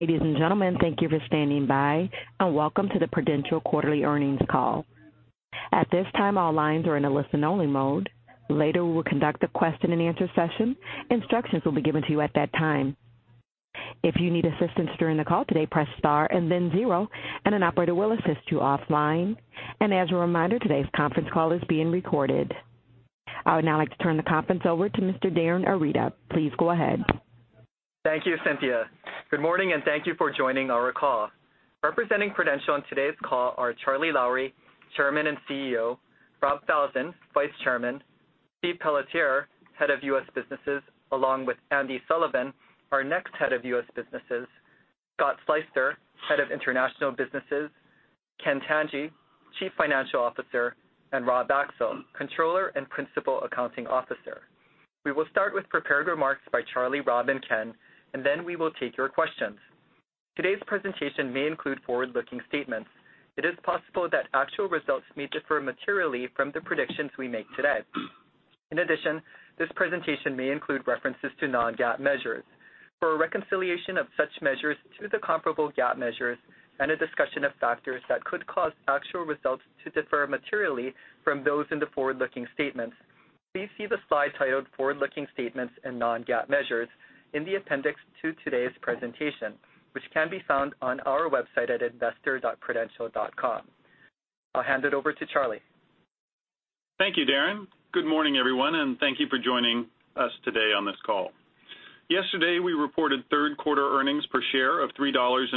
Ladies and gentlemen, thank you for standing by, and welcome to the Prudential quarterly earnings call. At this time, all lines are in a listen-only mode. Later, we will conduct a question-and-answer session. Instructions will be given to you at that time. If you need assistance during the call today, press star and then zero, and an operator will assist you offline. As a reminder, today's conference call is being recorded. I would now like to turn the conference over to Mr. Darin Arita. Please go ahead. Thank you, Cynthia. Good morning, and thank you for joining our call. Representing Prudential on today's call are Charlie Lowrey, Chairman and CEO; Rob Falzon, Vice Chairman; Steve Pelletier, Head of U.S. Businesses, along with Andy Sullivan, our next Head of U.S. Businesses; Scott Sleyster, Head of International Businesses; Ken Tanji, Chief Financial Officer; and Rob Axel, Controller and Principal Accounting Officer. We will start with prepared remarks by Charlie, Rob, and Ken. Then we will take your questions. Today's presentation may include forward-looking statements. It is possible that actual results may differ materially from the predictions we make today. In addition, this presentation may include references to non-GAAP measures. For a reconciliation of such measures to the comparable GAAP measures and a discussion of factors that could cause actual results to differ materially from those in the forward-looking statements, please see the slide titled "Forward Looking Statements and Non-GAAP Measures" in the appendix to today's presentation, which can be found on our website at investor.prudential.com. I'll hand it over to Charlie. Thank you, Darin. Good morning, everyone, and thank you for joining us today on this call. Yesterday, we reported third-quarter earnings per share of $3.22.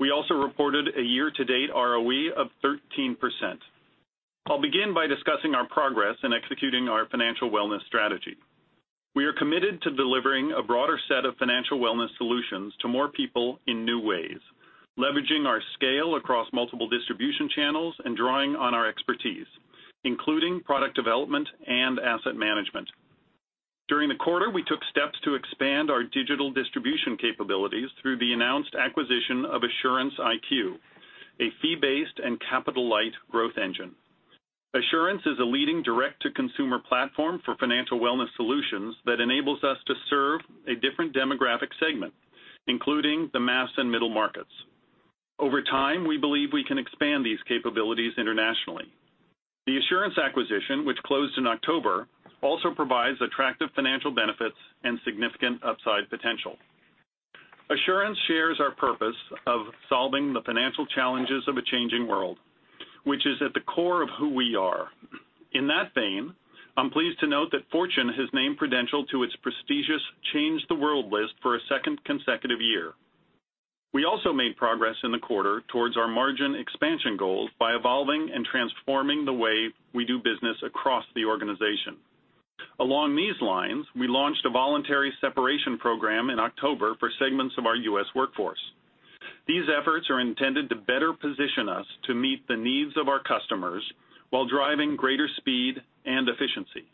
We also reported a year-to-date ROE of 13%. I'll begin by discussing our progress in executing our financial wellness strategy. We are committed to delivering a broader set of financial wellness solutions to more people in new ways, leveraging our scale across multiple distribution channels and drawing on our expertise, including product development and asset management. During the quarter, we took steps to expand our digital distribution capabilities through the announced acquisition of Assurance IQ, a fee-based and capital-light growth engine. Assurance is a leading direct-to-consumer platform for financial wellness solutions that enables us to serve a different demographic segment, including the mass and middle markets. Over time, we believe we can expand these capabilities internationally. The Assurance acquisition, which closed in October, also provides attractive financial benefits and significant upside potential. Assurance shares our purpose of solving the financial challenges of a changing world, which is at the core of who we are. In that vein, I'm pleased to note that Fortune has named Prudential to its prestigious Change the World list for a second consecutive year. We also made progress in the quarter towards our margin expansion goals by evolving and transforming the way we do business across the organization. Along these lines, we launched a voluntary separation program in October for segments of our U.S. workforce. These efforts are intended to better position us to meet the needs of our customers while driving greater speed and efficiency.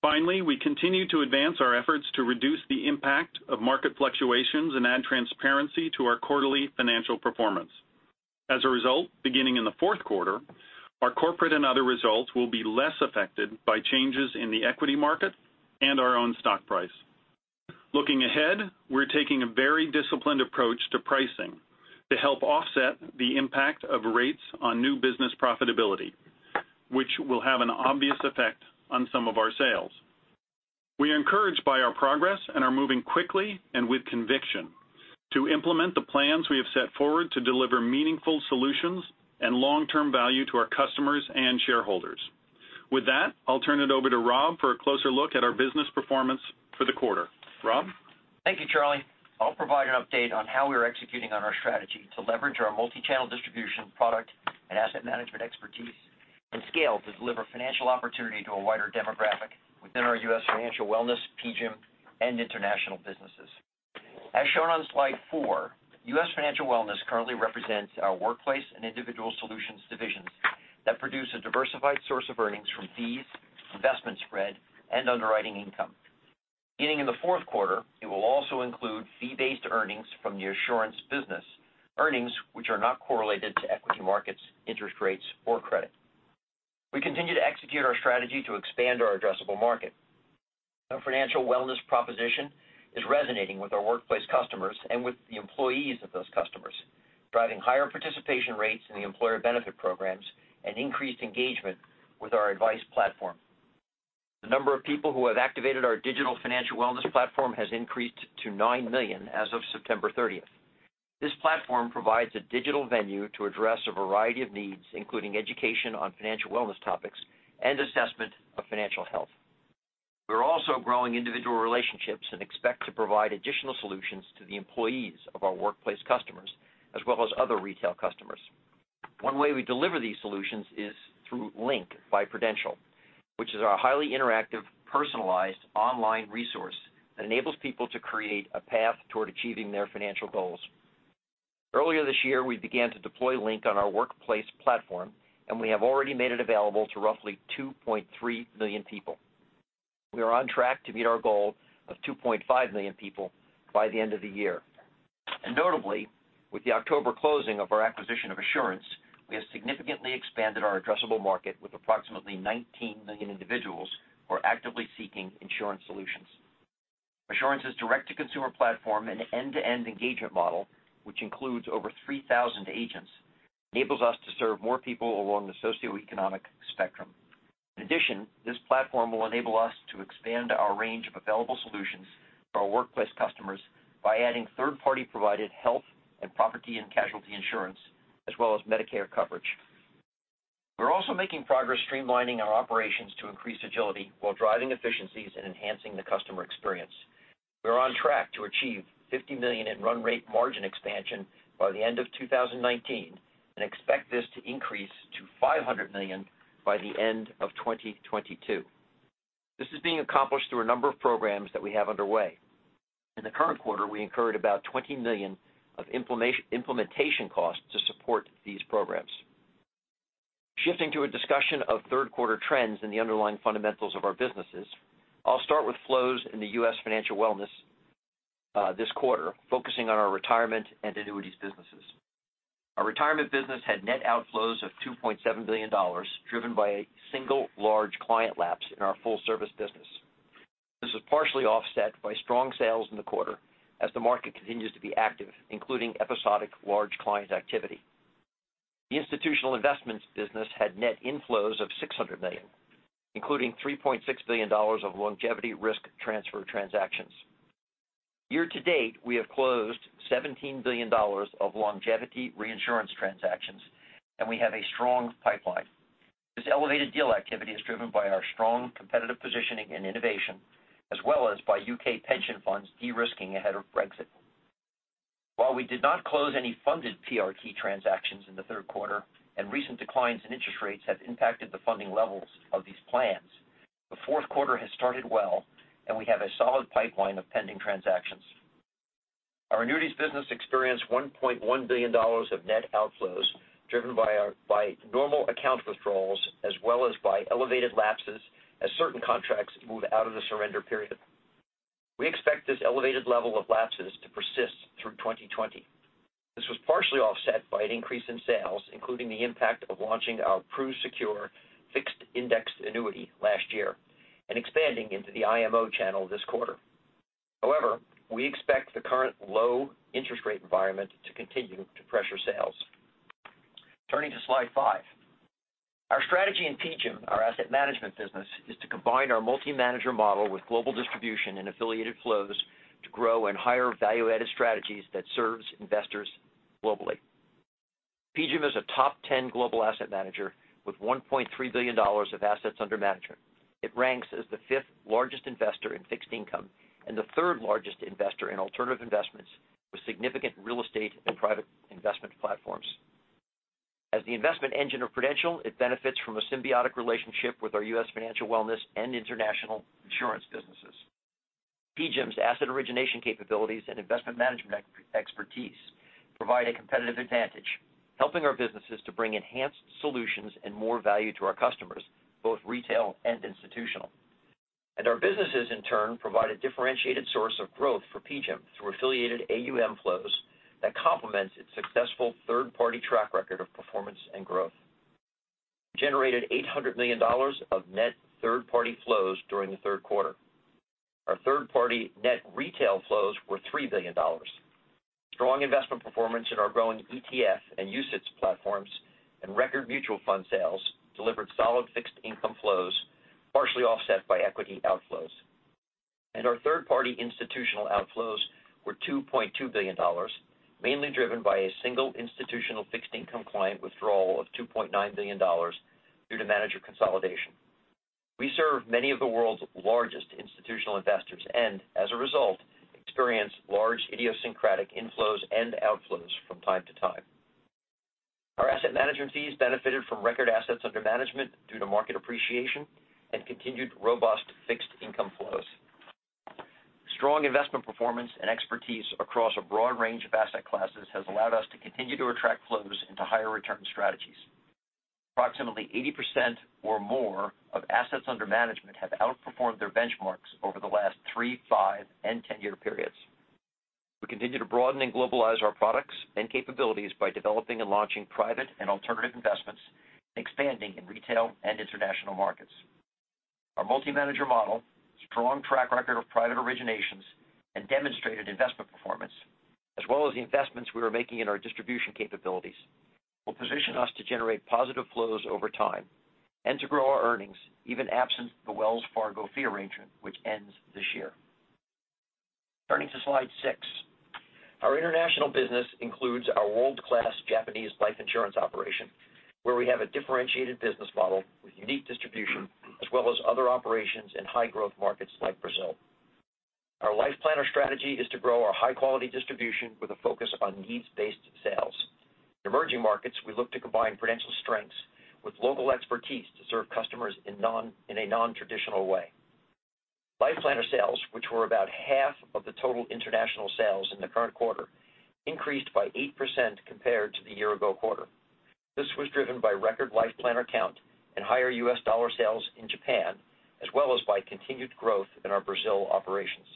Finally, we continue to advance our efforts to reduce the impact of market fluctuations and add transparency to our quarterly financial performance. As a result, beginning in the fourth quarter, our corporate and other results will be less affected by changes in the equity market and our own stock price. Looking ahead, we're taking a very disciplined approach to pricing to help offset the impact of rates on new business profitability, which will have an obvious effect on some of our sales. We are encouraged by our progress and are moving quickly and with conviction to implement the plans we have set forward to deliver meaningful solutions and long-term value to our customers and shareholders. With that, I'll turn it over to Rob for a closer look at our business performance for the quarter. Rob? Thank you, Charlie. I'll provide an update on how we're executing on our strategy to leverage our multi-channel distribution product and asset management expertise and scale to deliver financial opportunity to a wider demographic within our U.S. Financial Wellness, PGIM, and international businesses. As shown on slide four, U.S. Financial Wellness currently represents our workplace and individual solutions divisions that produce a diversified source of earnings from fees, investment spread, and underwriting income. Beginning in the fourth quarter, it will also include fee-based earnings from the Assurance business, earnings which are not correlated to equity markets, interest rates, or credit. We continue to execute our strategy to expand our addressable market. Our financial wellness proposition is resonating with our workplace customers and with the employees of those customers, driving higher participation rates in the employer benefit programs and increased engagement with our advice platform. The number of people who have activated our digital financial wellness platform has increased to nine million as of September 30th. This platform provides a digital venue to address a variety of needs, including education on financial wellness topics and assessment of financial health. We're also growing individual relationships and expect to provide additional solutions to the employees of our workplace customers as well as other retail customers. One way we deliver these solutions is through LINK by Prudential, which is our highly interactive, personalized online resource that enables people to create a path toward achieving their financial goals. Earlier this year, we began to deploy LINK on our workplace platform. We have already made it available to roughly 2.3 million people. We are on track to meet our goal of 2.5 million people by the end of the year. Notably, with the October closing of our acquisition of Assurance, we have significantly expanded our addressable market with approximately 19 million individuals who are actively seeking insurance solutions. Assurance's direct-to-consumer platform and end-to-end engagement model, which includes over 3,000 agents, enables us to serve more people along the socioeconomic spectrum. In addition, this platform will enable us to expand our range of available solutions for our workplace customers by adding third-party provided health and property and casualty insurance, as well as Medicare coverage. We're also making progress streamlining our operations to increase agility while driving efficiencies and enhancing the customer experience. We are on track to achieve $50 million in run rate margin expansion by the end of 2019 and expect this to increase to $500 million by the end of 2022. This is being accomplished through a number of programs that we have underway. In the current quarter, we incurred about $20 million of implementation costs to support these programs. Shifting to a discussion of third quarter trends in the underlying fundamentals of our businesses, I'll start with flows in the U.S. Financial Wellness this quarter, focusing on our retirement and annuities businesses. Our retirement business had net outflows of $2.7 billion, driven by a single large client lapse in our full-service business. This was partially offset by strong sales in the quarter as the market continues to be active, including episodic large client activity. The institutional investments business had net inflows of $600 million, including $3.6 billion of longevity risk transfer transactions. Year to date, we have closed $17 billion of longevity reinsurance transactions, and we have a strong pipeline. This elevated deal activity is driven by our strong competitive positioning and innovation, as well as by U.K. pension funds de-risking ahead of Brexit. While we did not close any funded PRT transactions in the third quarter and recent declines in interest rates have impacted the funding levels of these plans, the fourth quarter has started well, and we have a solid pipeline of pending transactions. Our annuities business experienced $1.1 billion of net outflows driven by normal account withdrawals as well as by elevated lapses as certain contracts moved out of the surrender period. We expect this elevated level of lapses to persist through 2020. This was partially offset by an increase in sales, including the impact of launching our PruSecure fixed-indexed annuity last year and expanding into the IMO channel this quarter. However, we expect the current low interest rate environment to continue to pressure sales. Turning to slide five. Our strategy in PGIM, our asset management business, is to combine our multi-manager model with global distribution and affiliated flows to grow in higher value-added strategies that serves investors globally. PGIM is a top 10 global asset manager with $1.3 billion of assets under management. It ranks as the fifth largest investor in fixed income and the third largest investor in alternative investments with significant real estate and private investment platforms. As the investment engine of Prudential, it benefits from a symbiotic relationship with our U.S. Financial Wellness and International Insurance businesses. PGIM's asset origination capabilities and investment management expertise provide a competitive advantage, helping our businesses to bring enhanced solutions and more value to our customers, both retail and institutional. Our businesses, in turn, provide a differentiated source of growth for PGIM through affiliated AUM flows that complements its successful third-party track record of performance and growth. We generated $800 million of net third-party flows during the third quarter. Our third-party net retail flows were $3 billion. Strong investment performance in our growing ETF and UCITS platforms and record mutual fund sales delivered solid fixed income flows, partially offset by equity outflows. Our third-party institutional outflows were $2.2 billion, mainly driven by a single institutional fixed income client withdrawal of $2.9 billion due to manager consolidation. We serve many of the world's largest institutional investors and, as a result, experience large idiosyncratic inflows and outflows from time to time. Our asset management fees benefited from record assets under management due to market appreciation and continued robust fixed income flows. Strong investment performance and expertise across a broad range of asset classes has allowed us to continue to attract flows into higher return strategies. Approximately 80% or more of assets under management have outperformed their benchmarks over the last three, five, and 10-year periods. We continue to broaden and globalize our products and capabilities by developing and launching private and alternative investments and expanding in retail and international markets. Our multi-manager model, strong track record of private originations, and demonstrated investment performance, as well as the investments we are making in our distribution capabilities, will position us to generate positive flows over time and to grow our earnings, even absent the Wells Fargo fee arrangement, which ends this year. Turning to slide six. Our international business includes our world-class Japanese life insurance operation, where we have a differentiated business model with unique distribution, as well as other operations in high-growth markets like Brazil. Our Life Planner strategy is to grow our high-quality distribution with a focus on needs-based sales. In emerging markets, we look to combine Prudential's strengths with local expertise to serve customers in a non-traditional way. Life Planner sales, which were about half of the total international sales in the current quarter, increased by 8% compared to the year-ago quarter. This was driven by record Life Planner count and higher U.S. dollar sales in Japan, as well as by continued growth in our Brazil operations.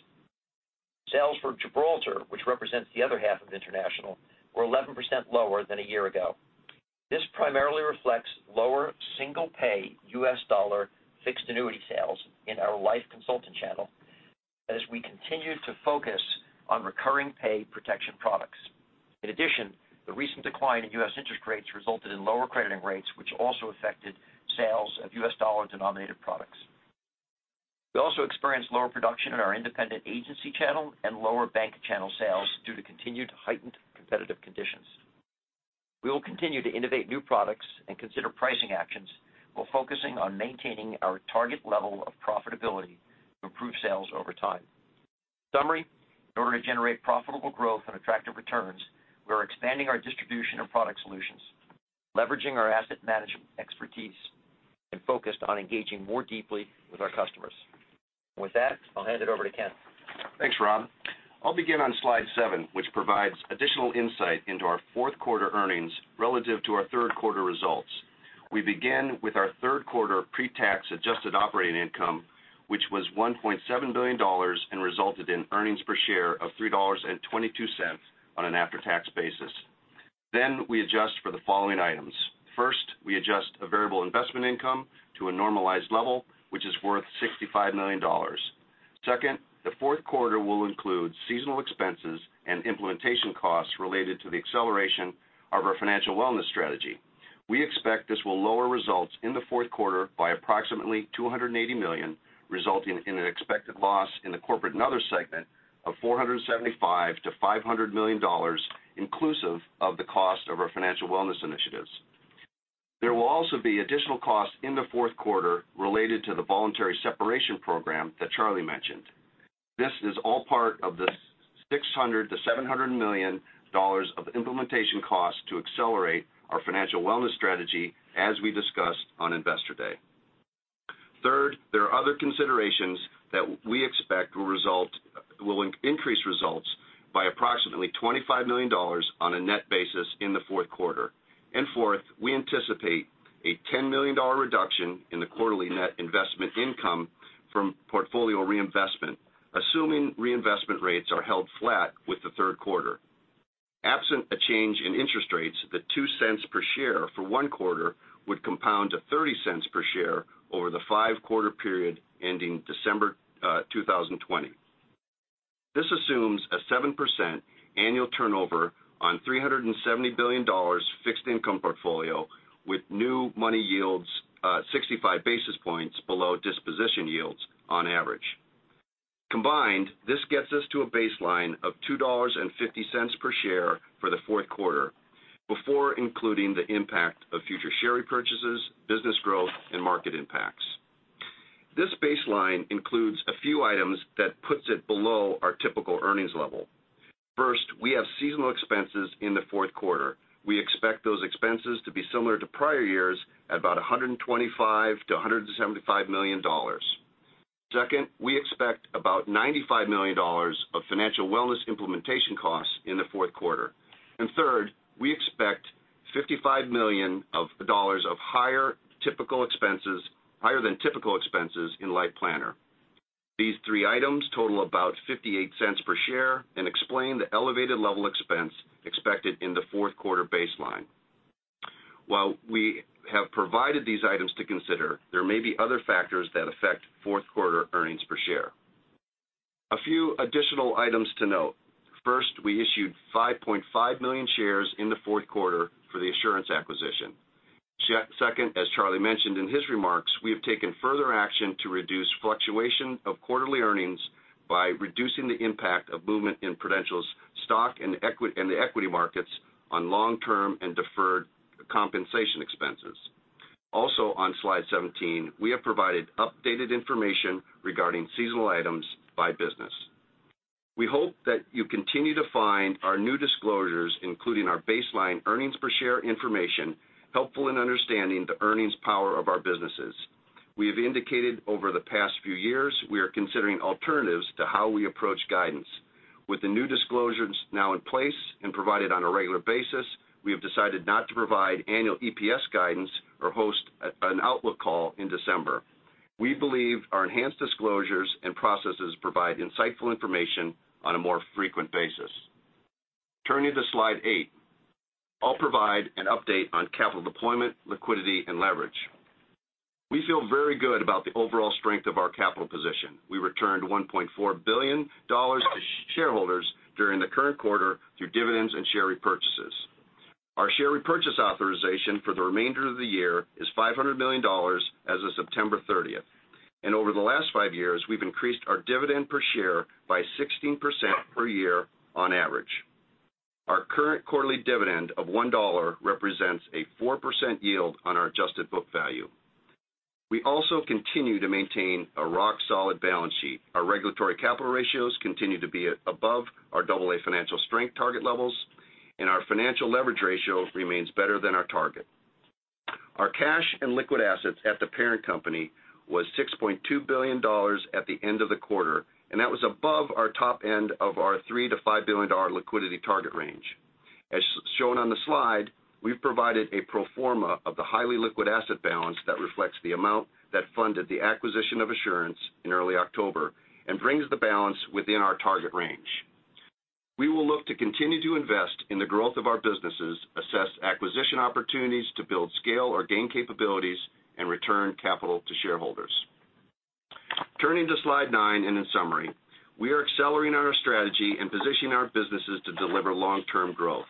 Sales for Gibraltar, which represents the other half of international, were 11% lower than a year ago. This primarily reflects lower single-pay U.S. dollar fixed annuity sales in our life consultant channel as we continue to focus on recurring pay protection products. In addition, the recent decline in U.S. interest rates resulted in lower crediting rates, which also affected sales of U.S. dollar-denominated products. We also experienced lower production in our independent agency channel and lower bank channel sales due to continued heightened competitive conditions. We will continue to innovate new products and consider pricing actions while focusing on maintaining our target level of profitability to improve sales over time. In summary, in order to generate profitable growth and attractive returns, we are expanding our distribution of product solutions, leveraging our asset management expertise, and focused on engaging more deeply with our customers. With that, I'll hand it over to Ken. Thanks, Rob. I'll begin on slide seven, which provides additional insight into our fourth quarter earnings relative to our third quarter results. We begin with our third quarter pre-tax adjusted operating income, which was $1.7 billion and resulted in earnings per share of $3.22 on an after-tax basis. We adjust for the following items. First, we adjust the variable investment income to a normalized level, which is worth $65 million. Second, the fourth quarter will include seasonal expenses and implementation costs related to the acceleration of our financial wellness strategy. We expect this will lower results in the fourth quarter by approximately $280 million, resulting in an expected loss in the corporate and other segment of $475 million-$500 million inclusive of the cost of our financial wellness initiatives. There will also be additional costs in the fourth quarter related to the voluntary separation program that Charlie mentioned. This is all part of the $600 million-$700 million of implementation costs to accelerate our financial wellness strategy, as we discussed on Investor Day. Third, there are other considerations that we expect will increase results by approximately $25 million on a net basis in the fourth quarter. Fourth, we anticipate a $10 million reduction in the quarterly net investment income from portfolio reinvestment, assuming reinvestment rates are held flat with the third quarter. Absent a change in interest rates, the $0.02 per share for one quarter would compound to $0.30 per share over the five-quarter period ending December 2020. This assumes a 7% annual turnover on $370 billion fixed income portfolio with new money yields 65 basis points below disposition yields on average. Combined, this gets us to a baseline of $2.50 per share for the fourth quarter before including the impact of future share repurchases, business growth, and market impacts. This baseline includes a few items that puts it below our typical earnings level. First, we have seasonal expenses in the fourth quarter. We expect those expenses to be similar to prior years at about $125 million-$175 million. Second, we expect about $95 million of financial wellness implementation costs in the fourth quarter. Third, we expect $55 million of higher than typical expenses in Life Planner. These three items total about $0.58 per share and explain the elevated level expense expected in the fourth quarter baseline. While we have provided these items to consider, there may be other factors that affect fourth quarter earnings per share. A few additional items to note. First, we issued 5.5 million shares in the fourth quarter for the Assurance acquisition. Second, as Charlie mentioned in his remarks, we have taken further action to reduce fluctuation of quarterly earnings by reducing the impact of movement in Prudential's stock and the equity markets on long-term and deferred compensation expenses. Also on slide 17, we have provided updated information regarding seasonal items by business. We hope that you continue to find our new disclosures, including our baseline earnings per share information, helpful in understanding the earnings power of our businesses. We have indicated over the past few years we are considering alternatives to how we approach guidance. With the new disclosures now in place and provided on a regular basis, we have decided not to provide annual EPS guidance or host an outlook call in December. We believe our enhanced disclosures and processes provide insightful information on a more frequent basis. Turning to slide eight. I'll provide an update on capital deployment, liquidity, and leverage. We feel very good about the overall strength of our capital position. We returned $1.4 billion to shareholders during the current quarter through dividends and share repurchases. Our share repurchase authorization for the remainder of the year is $500 million as of September 30th, and over the last five years, we've increased our dividend per share by 16% per year on average. Our current quarterly dividend of $1 represents a 4% yield on our adjusted book value. We also continue to maintain a rock-solid balance sheet. Our regulatory capital ratios continue to be above our AA financial strength target levels, and our financial leverage ratio remains better than our target. Our cash and liquid assets at the parent company was $6.2 billion at the end of the quarter. That was above our top end of our $3 billion-$5 billion liquidity target range. As shown on the slide, we've provided a pro forma of the highly liquid asset balance that reflects the amount that funded the acquisition of Assurance in early October and brings the balance within our target range. We will look to continue to invest in the growth of our businesses, assess acquisition opportunities to build scale or gain capabilities, and return capital to shareholders. Turning to slide nine. In summary, we are accelerating our strategy and positioning our businesses to deliver long-term growth.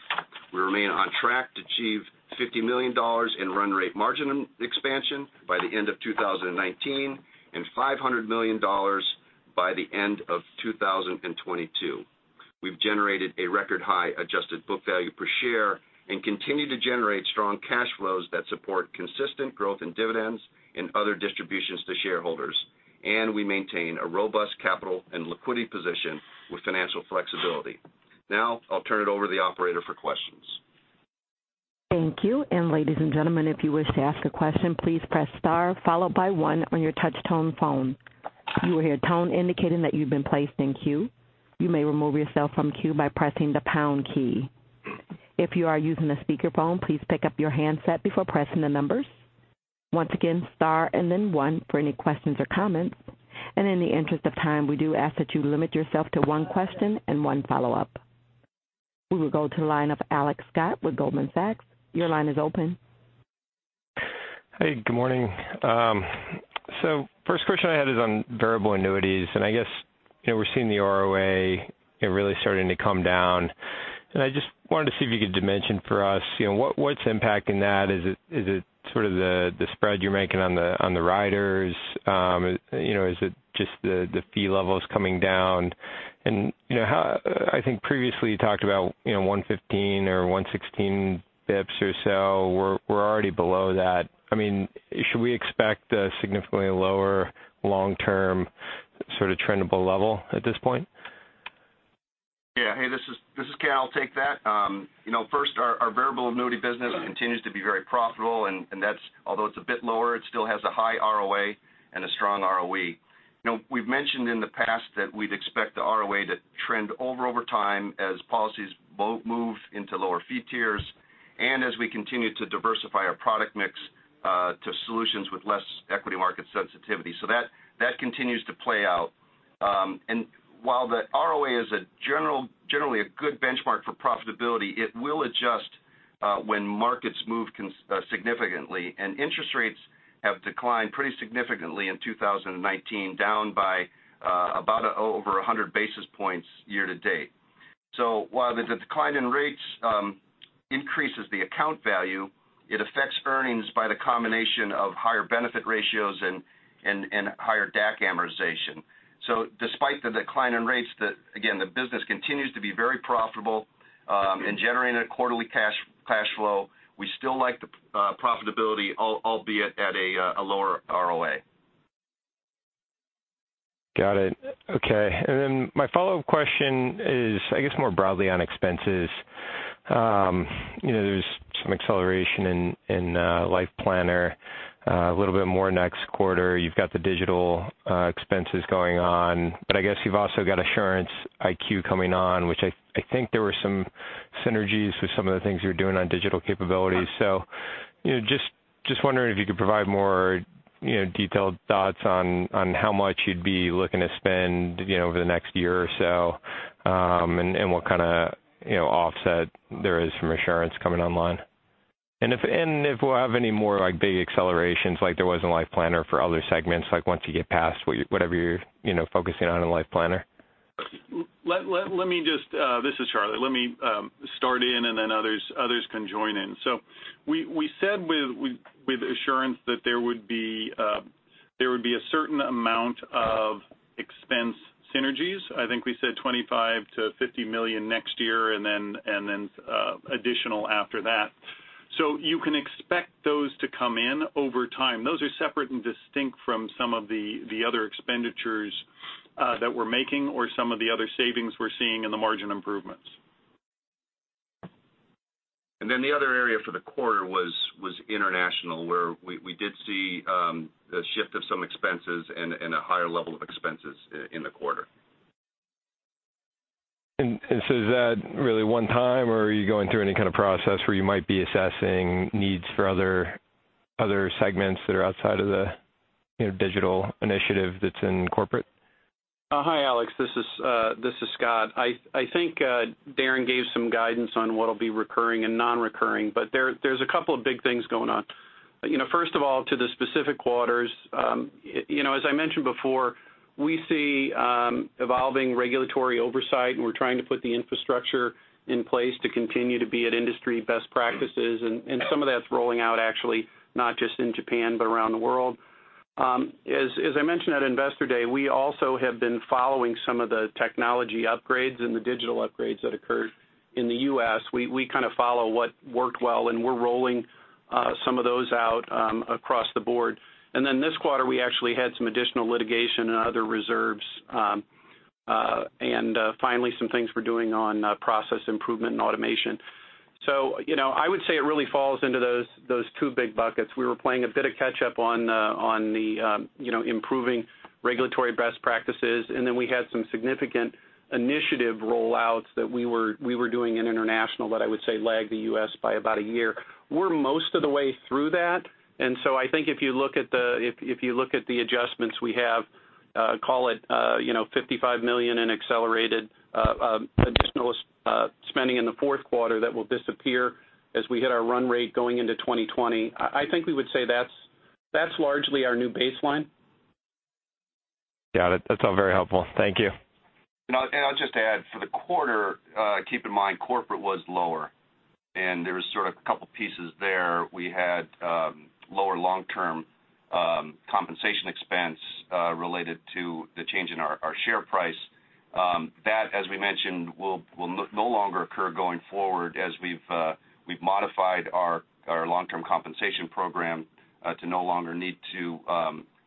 We remain on track to achieve $50 million in run rate margin expansion by the end of 2019 and $500 million by the end of 2022. We've generated a record high adjusted book value per share and continue to generate strong cash flows that support consistent growth in dividends and other distributions to shareholders. We maintain a robust capital and liquidity position with financial flexibility. Now I'll turn it over to the operator for questions. Thank you. Ladies and gentlemen, if you wish to ask a question, please press star followed by one on your touch-tone phone. You will hear a tone indicating that you've been placed in queue. You may remove yourself from queue by pressing the pound key. If you are using a speakerphone, please pick up your handset before pressing the numbers. Once again, star and then one for any questions or comments. In the interest of time, we do ask that you limit yourself to one question and one follow-up. We will go to the line of Alex Scott with Goldman Sachs. Your line is open. First question I had is on variable annuities. I guess we're seeing the ROA really starting to come down, and I just wanted to see if you could dimension for us what's impacting that. Is it sort of the spread you're making on the riders? Is it just the fee levels coming down? I think previously you talked about 115 or 116 basis points or so. We're already below that. Should we expect a significantly lower long-term sort of trendable level at this point? Hey, this is Ken, I'll take that. First, our variable annuity business continues to be very profitable. Although it's a bit lower, it still has a high ROA and a strong ROE. We've mentioned in the past that we'd expect the ROA to trend over overtime as policies move into lower fee tiers and as we continue to diversify our product mix, to solutions with less equity market sensitivity. That continues to play out. While the ROA is generally a good benchmark for profitability, it will adjust when markets move significantly, and interest rates have declined pretty significantly in 2019, down by about over 100 basis points year to date. While the decline in rates increases the account value, it affects earnings by the combination of higher benefit ratios and higher DAC amortization. Despite the decline in rates, again, the business continues to be very profitable, generating a quarterly cash flow. We still like the profitability, albeit at a lower ROA. Got it. Okay. My follow-up question is, I guess, more broadly on expenses. There's some acceleration in LifePlanner, a little bit more next quarter. You've got the digital expenses going on, I guess you've also got Assurance IQ coming on, which I think there were some synergies with some of the things you're doing on digital capabilities. Just wondering if you could provide more detailed thoughts on how much you'd be looking to spend over the next year or so, and what kind of offset there is from Assurance IQ coming online. If we'll have any more big accelerations like there was in LifePlanner for other segments, like once you get past whatever you're focusing on in LifePlanner. This is Charlie. Let me start in and then others can join in. We said with Assurance that there would be a certain amount of expense synergies. I think we said $25 million-$50 million next year and then additional after that. You can expect those to come in over time. Those are separate and distinct from some of the other expenditures that we're making or some of the other savings we're seeing in the margin improvements. The other area for the quarter was international, where we did see the shift of some expenses and a higher level of expenses in the quarter. Is that really one-time, or are you going through any kind of process where you might be assessing needs for other segments that are outside of the digital initiative that's in corporate? Hi, Alex. This is Scott. I think Darin gave some guidance on what will be recurring and non-recurring, there's a couple of big things going on. First of all, to the specific quarters, as I mentioned before, we see evolving regulatory oversight, and we're trying to put the infrastructure in place to continue to be at industry best practices. Some of that's rolling out actually not just in Japan, but around the world. As I mentioned at Investor Day, we also have been following some of the technology upgrades and the digital upgrades that occurred in the U.S. We kind of follow what worked well, and we're rolling some of those out across the board. Then this quarter, we actually had some additional litigation and other reserves Finally, some things we're doing on process improvement and automation. I would say it really falls into those two big buckets. We were playing a bit of catch up on the improving regulatory best practices, and then we had some significant initiative rollouts that we were doing in international that I would say lagged the U.S. by about a year. We're most of the way through that, I think if you look at the adjustments we have, call it $55 million in accelerated additional spending in the fourth quarter that will disappear as we hit our run rate going into 2020. I think we would say that's largely our new baseline. Got it. That's all very helpful. Thank you. I'll just add, for the quarter, keep in mind corporate was lower, and there was sort of a couple pieces there. We had lower long-term compensation expense related to the change in our share price. That, as we mentioned, will no longer occur going forward as we've modified our long-term compensation program to no longer need to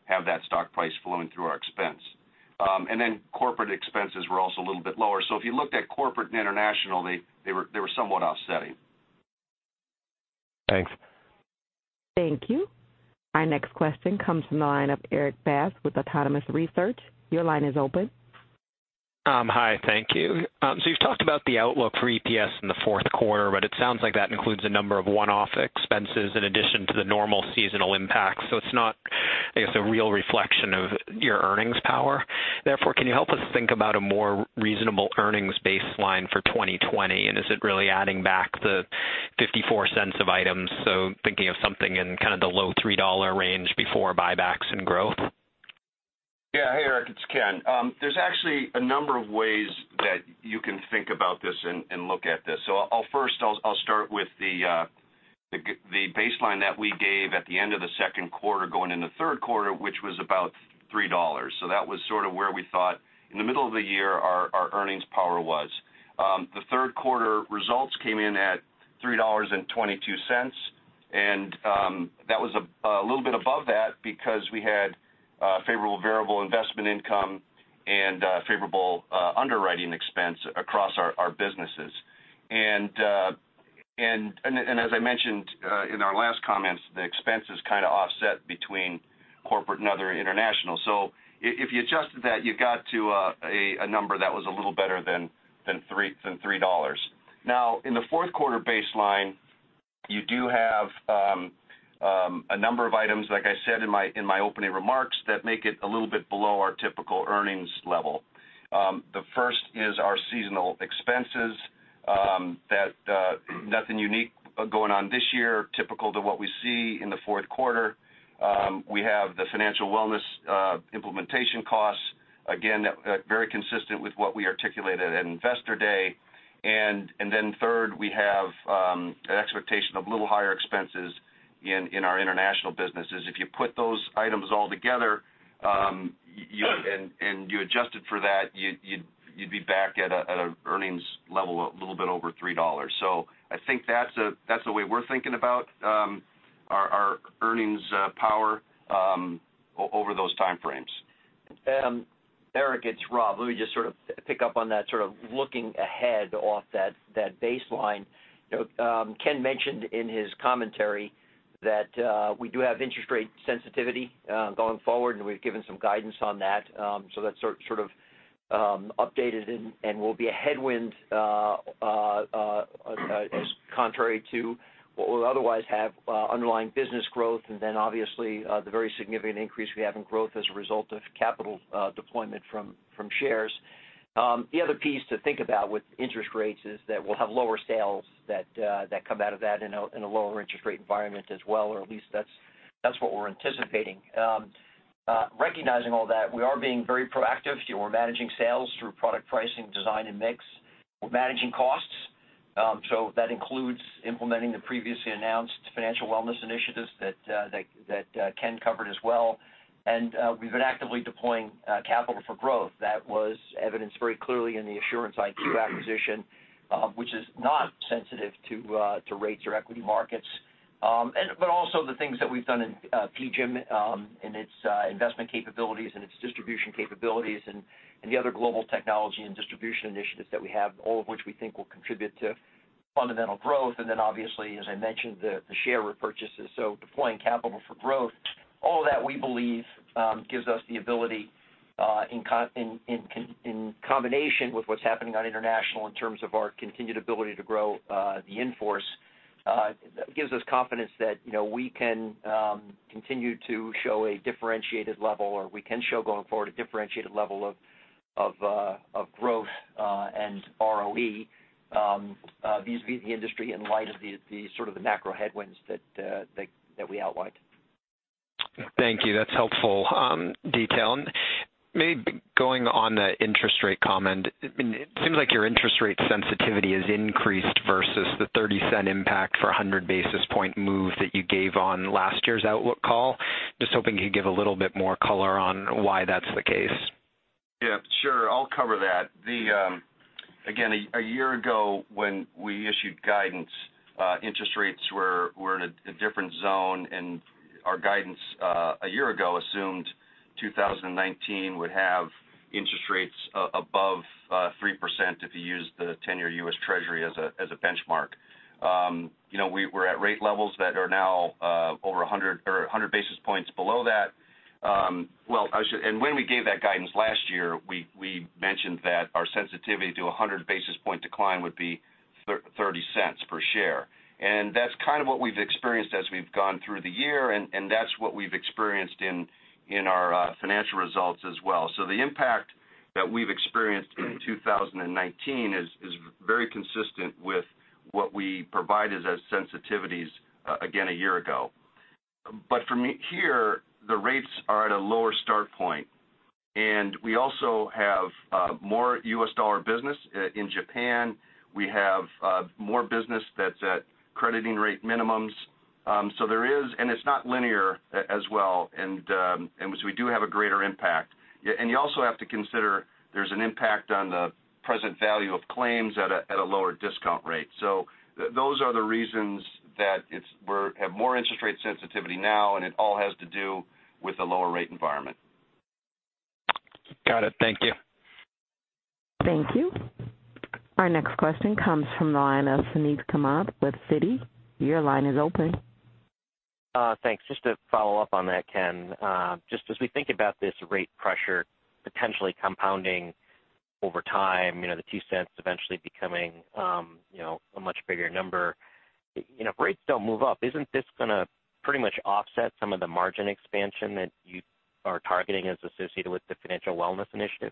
have that stock price flowing through our expense. Corporate expenses were also a little bit lower. If you looked at corporate and international, they were somewhat offsetting. Thanks. Thank you. Our next question comes from the line of Erik Bass with Autonomous Research. Your line is open. Hi, thank you. You've talked about the outlook for EPS in the fourth quarter, but it sounds like that includes a number of one-off expenses in addition to the normal seasonal impact. It's not, I guess, a real reflection of your earnings power. Therefore, can you help us think about a more reasonable earnings baseline for 2020? Is it really adding back the $0.54 of items, thinking of something in kind of the low $3 range before buybacks and growth? Hey, Erik, it's Ken. There's actually a number of ways that you can think about this and look at this. I'll first start with the baseline that we gave at the end of the second quarter going into third quarter, which was about $3. That was sort of where we thought in the middle of the year our earnings power was. The third quarter results came in at $3.22, and that was a little bit above that because we had favorable variable investment income and favorable underwriting expense across our businesses. As I mentioned in our last comments, the expenses kind of offset between corporate and other international. If you adjusted that, you got to a number that was a little better than $3. Now, in the fourth quarter baseline, you do have a number of items, like I said in my opening remarks, that make it a little bit below our typical earnings level. The first is our seasonal expenses, nothing unique going on this year, typical to what we see in the fourth quarter. We have the financial wellness implementation costs, again, very consistent with what we articulated at Investor Day. Third, we have an expectation of a little higher expenses in our international businesses. If you put those items all together, you adjusted for that, you'd be back at an earnings level a little bit over $3. I think that's the way we're thinking about our earnings power over those time frames. Eric, it's Rob. Let me just sort of pick up on that sort of looking ahead off that baseline. Ken mentioned in his commentary that we do have interest rate sensitivity going forward, and we've given some guidance on that. That's sort of updated and will be a headwind as contrary to what we'll otherwise have underlying business growth, and then obviously the very significant increase we have in growth as a result of capital deployment from shares. The other piece to think about with interest rates is that we'll have lower sales that come out of that in a lower interest rate environment as well, or at least that's what we're anticipating. Recognizing all that, we are being very proactive. We're managing sales through product pricing, design, and mix. We're managing costs. That includes implementing the previously announced financial wellness initiatives that Ken covered as well. We've been actively deploying capital for growth. That was evidenced very clearly in the Assurance IQ acquisition, which is not sensitive to rates or equity markets. Also, the things that we've done in PGIM and its investment capabilities and its distribution capabilities and the other global technology and distribution initiatives that we have, all of which we think will contribute to fundamental growth. Then obviously, as I mentioned, the share repurchases. Deploying capital for growth, all of that we believe gives us the ability in combination with what's happening on international in terms of our continued ability to grow the in-force. That gives us confidence that we can continue to show a differentiated level or we can show going forward a differentiated level of growth and ROE vis-a-vis the industry in light of the sort of the macro headwinds that we outlined. Thank you. That's helpful detail. Maybe going on the interest rate comment, it seems like your interest rate sensitivity has increased versus the $0.30 impact for 100 basis point move that you gave on last year's outlook call. Just hoping you could give a little bit more color on why that's the case. Yeah, sure. I'll cover that. Again, a year ago when we issued guidance, interest rates were in a different zone, our guidance a year ago assumed 2019 would have interest rates above 3% if you use the 10-year U.S. Treasury as a benchmark. We're at rate levels that are now over 100 or 100 basis points below that. When we gave that guidance last year, we mentioned that our sensitivity to 100 basis point decline would be $0.30 per share. That's kind of what we've experienced as we've gone through the year, that's what we've experienced in our financial results as well. The impact that we've experienced in 2019 is very consistent with what we provided as sensitivities, again, a year ago. From here, the rates are at a lower start point, we also have more U.S. dollar business in Japan. We have more business that's at crediting rate minimums. There is, and it's not linear as well, we do have a greater impact. You also have to consider there's an impact on the present value of claims at a lower discount rate. Those are the reasons that we have more interest rate sensitivity now, it all has to do with the lower rate environment. Got it. Thank you. Thank you. Our next question comes from the line of Suneet Kamath with Citi. Your line is open. Thanks. Just to follow up on that, Ken. Just as we think about this rate pressure potentially compounding over time, the $0.02 eventually becoming a much bigger number. Rates don't move up. Isn't this going to pretty much offset some of the margin expansion that you are targeting as associated with the Financial Wellness initiative?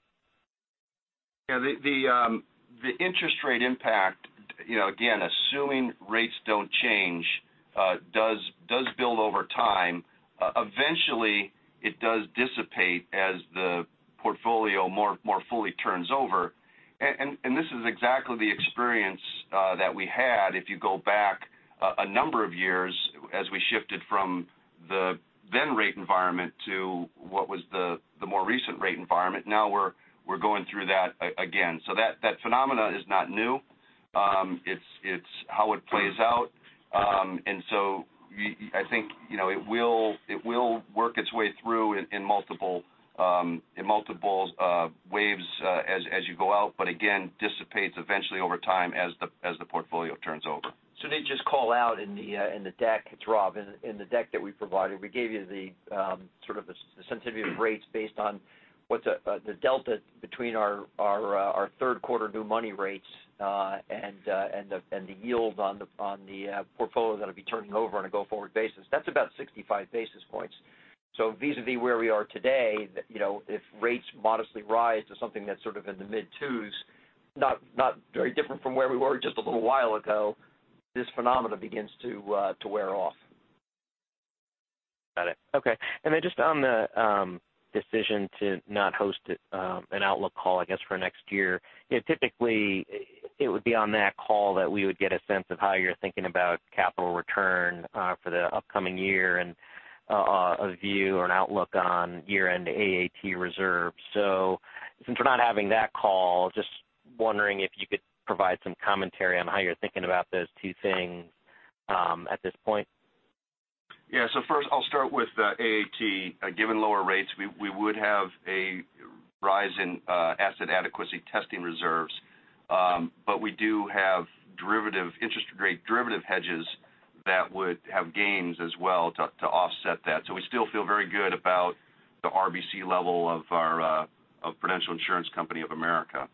Yeah. The interest rate impact, again, assuming rates don't change, does build over time. Eventually it does dissipate as the portfolio more fully turns over. This is exactly the experience that we had if you go back a number of years as we shifted from the then rate environment to what was the more recent rate environment. Now we're going through that again. That phenomena is not new. It's how it plays out. I think it will work its way through in multiple waves as you go out, but again, dissipates eventually over time as the portfolio turns over. Suneet, just call out in the deck. It's Rob. In the deck that we provided, we gave you the sort of the sensitivity of rates based on what's the delta between our third quarter new money rates, and the yields on the portfolio that'll be turning over on a go-forward basis. That's about 65 basis points. Vis-a-vis where we are today, if rates modestly rise to something that's sort of in the mid twos, not very different from where we were just a little while ago, this phenomena begins to wear off. Got it. Okay. Then just on the decision to not host an outlook call, I guess for next year. Typically, it would be on that call that we would get a sense of how you're thinking about capital return for the upcoming year and a view or an outlook on year-end AAT reserves. Since we're not having that call, just wondering if you could provide some commentary on how you're thinking about those two things at this point. Yeah. First I'll start with AAT. Given lower rates, we would have a rise in asset adequacy testing reserves. We do have derivative interest rate derivative hedges that would have gains as well to offset that. We still feel very good about the RBC level of The Prudential Insurance Company of America.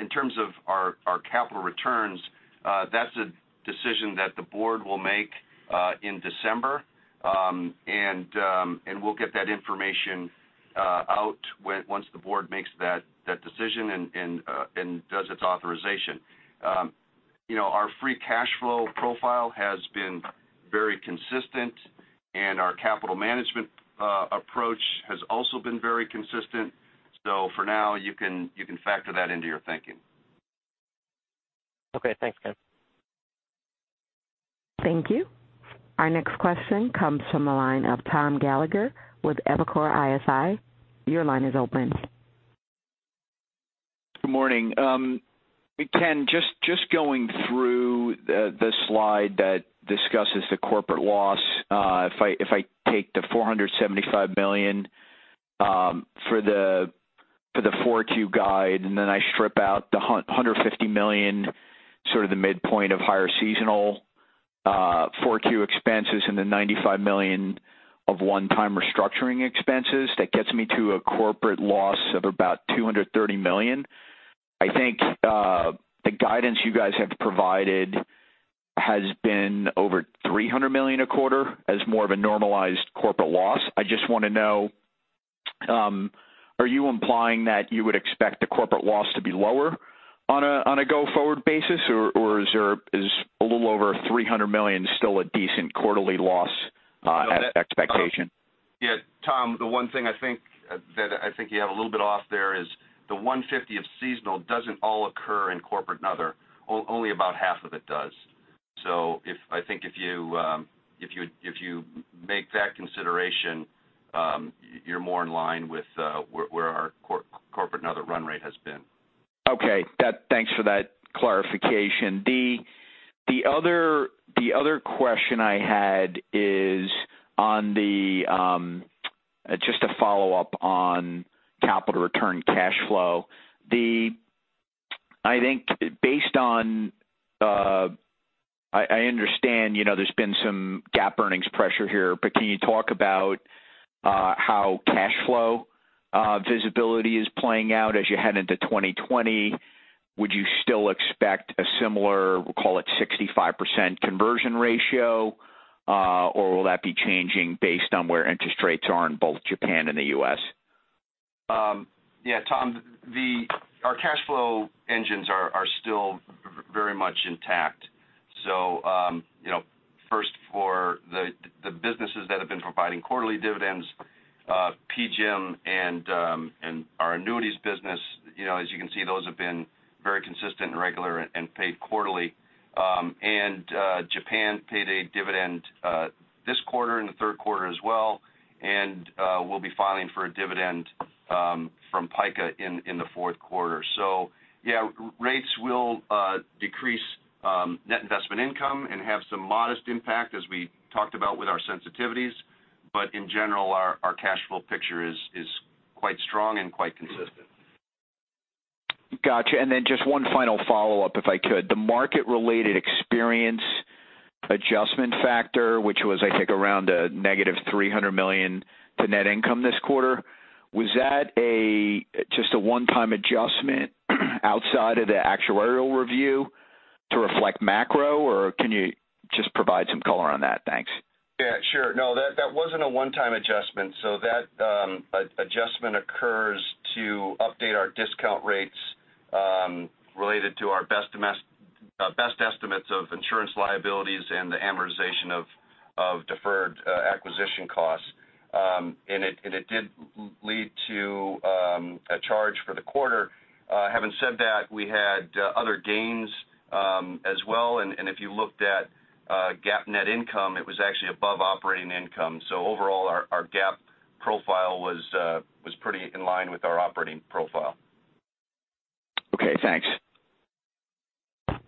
In terms of our capital returns, that's a decision that the board will make in December. We'll get that information out once the board makes that decision and does its authorization. Our free cash flow profile has been very consistent and our capital management approach has also been very consistent. For now, you can factor that into your thinking. Okay. Thanks, Ken. Thank you. Our next question comes from the line of Tom Gallagher with Evercore ISI. Your line is open. Good morning. Ken, just going through the slide that discusses the corporate loss. If I take the $475 million for the 4Q guide, then I strip out the $150 million, sort of the midpoint of higher seasonal 4Q expenses and the $95 million of one-time restructuring expenses, that gets me to a corporate loss of about $230 million. I think the guidance you guys have provided has been over $300 million a quarter as more of a normalized corporate loss. I just want to know, are you implying that you would expect the corporate loss to be lower on a go-forward basis, or is a little over $300 million still a decent quarterly loss expectation? Yeah. Tom, the one thing that I think you have a little bit off there is the $150 of seasonal doesn't all occur in corporate and other, only about half of it does. I think if you make that consideration, you're more in line with where our corporate net run rate has been. Okay. Thanks for that clarification. The other question I had is just a follow-up on capital return cash flow. I understand there's been some GAAP earnings pressure here, can you talk about how cash flow visibility is playing out as you head into 2020? Will that be changing based on where interest rates are in both Japan and the U.S.? Yeah, Tom, our cash flow engines are still very much intact. First for the businesses that have been providing quarterly dividends, PGIM and our annuities business, as you can see, those have been very consistent and regular and paid quarterly. Japan paid a dividend this quarter, in the third quarter as well, and we'll be filing for a dividend from PICA in the fourth quarter. Yeah, rates will decrease Net Investment Income and have some modest impact, as we talked about with our sensitivities. In general, our cash flow picture is quite strong and quite consistent. Got you. Then just one final follow-up, if I could. The market-related experience adjustment factor, which was, I think, around a negative $300 million to net income this quarter, was that just a one-time adjustment outside of the actuarial review to reflect macro? Can you just provide some color on that? Thanks. Yeah, sure. No, that wasn't a one-time adjustment. That adjustment occurs to update our discount rates related to our best estimates of insurance liabilities and the amortization of deferred acquisition costs. It did lead to a charge for the quarter. Having said that, we had other gains as well, and if you looked at GAAP net income, it was actually above operating income. Overall, our GAAP profile was pretty in line with our operating profile. Okay, thanks.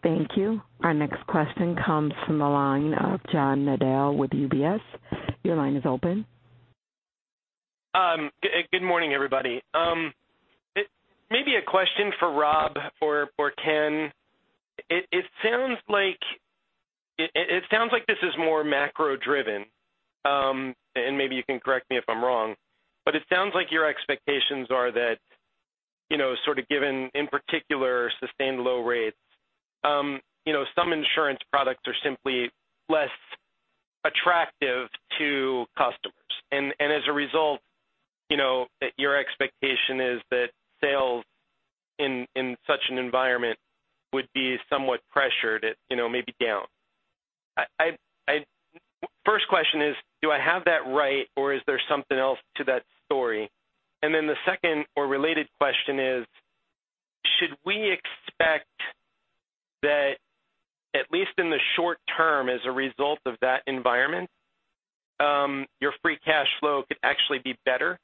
Thank you. Our next question comes from the line of John Nadel with UBS. Your line is open. Good morning, everybody. Maybe a question for Rob or Ken. It sounds like this is more macro-driven, and maybe you can correct me if I'm wrong. It sounds like your expectations are that sort of given, in particular, sustained low rates, some insurance products are simply less attractive to customers. As a result, that your expectation is that sales in such an environment would be somewhat pressured, maybe down. First question is, do I have that right or is there something else to that story? The second or related question is, should we expect that at least in the short term as a result of that environment, your free cash flow could actually be better?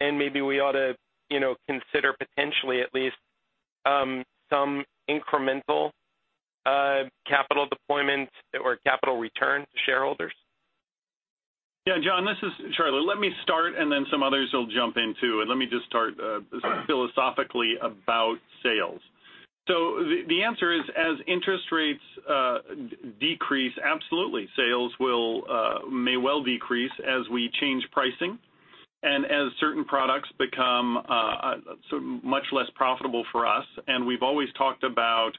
And maybe we ought to consider potentially at least some incremental capital deployment or capital return to shareholders? Yeah, John, this is Charlie. Let me start, some others will jump in, too. Let me just start philosophically about sales. The answer is as interest rates decrease, absolutely, sales may well decrease as we change pricing and as certain products become much less profitable for us. We've always talked about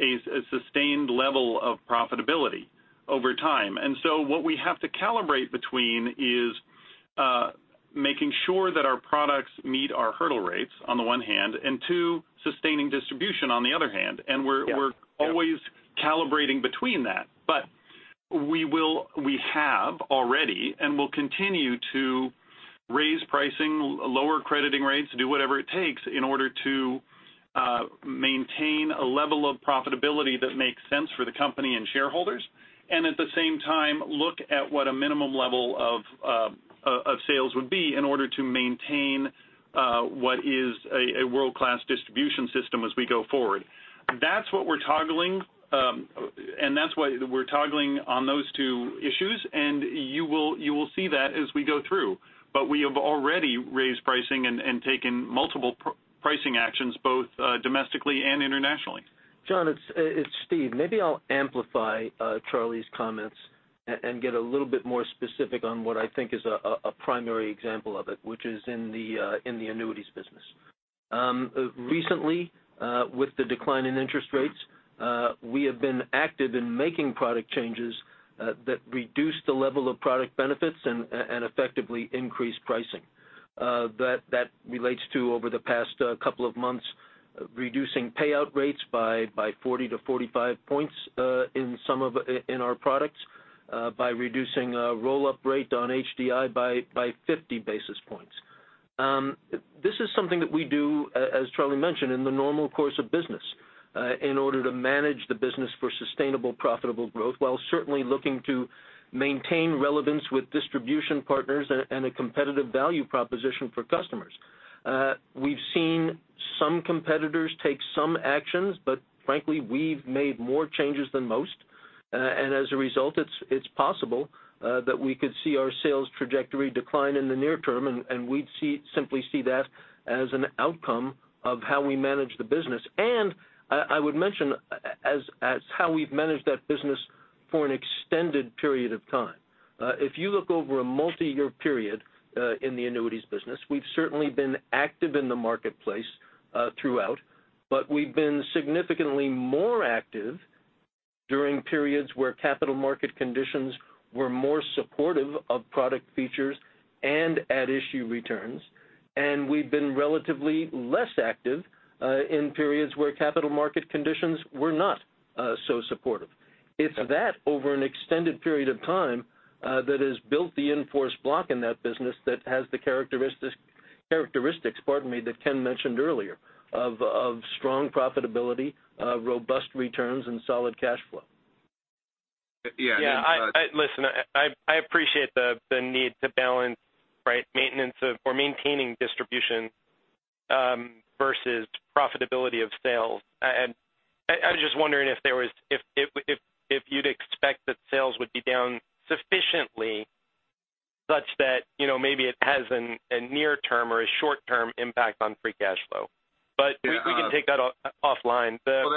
a sustained level of profitability over time. What we have to calibrate between is making sure that our products meet our hurdle rates on the one hand, and two, sustaining distribution on the other hand. Yeah. We're always calibrating between that. We have already and will continue to raise pricing, lower crediting rates, do whatever it takes in order to maintain a level of profitability that makes sense for the company and shareholders. At the same time, look at what a minimum level of sales would be in order to maintain what is a world-class distribution system as we go forward. That's what we're toggling, that's why we're toggling on those two issues, you will see that as we go through. We have already raised pricing and taken multiple pricing actions, both domestically and internationally. John, it's Steve. Maybe I'll amplify Charlie's comments and get a little bit more specific on what I think is a primary example of it, which is in the annuities business. Recently, with the decline in interest rates, we have been active in making product changes that reduce the level of product benefits and effectively increase pricing. That relates to over the past couple of months, reducing payout rates by 40 to 45 points in our products by reducing roll-up rate on HDI by 50 basis points. This is something that we do, as Charlie mentioned, in the normal course of business in order to manage the business for sustainable profitable growth, while certainly looking to maintain relevance with distribution partners and a competitive value proposition for customers. Frankly, we've made more changes than most. As a result, it's possible that we could see our sales trajectory decline in the near term, and we'd simply see that as an outcome of how we manage the business. I would mention, as how we've managed that business for an extended period of time. If you look over a multi-year period in the annuities business, we've certainly been active in the marketplace throughout, we've been significantly more active during periods where capital market conditions were more supportive of product features and at issue returns. We've been relatively less active in periods where capital market conditions were not so supportive. It's that over an extended period of time that has built the in-force block in that business that has the characteristics that Ken mentioned earlier of strong profitability, robust returns, and solid cash flow. Yeah. Listen, I appreciate the need to balance maintenance or maintaining distribution versus profitability of sales. I was just wondering if you'd expect that sales would be down sufficiently such that maybe it has a near term or a short-term impact on free cash flow. We can take that offline. No,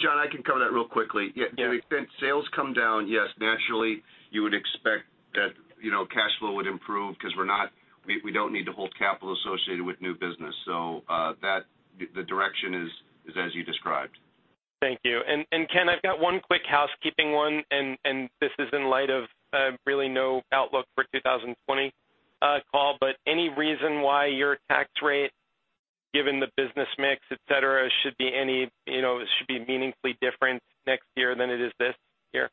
John, I can cover that real quickly. Yeah. To the extent sales come down, yes, naturally, you would expect that cash flow would improve because we don't need to hold capital associated with new business. The direction is as you described. Thank you. Ken, I've got one quick housekeeping one, and this is in light of really no outlook for 2020 call, but any reason why your tax rate, given the business mix, et cetera, should be meaningfully different next year than it is this year?